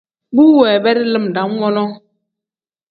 Bu weebedi lim dam wonoo.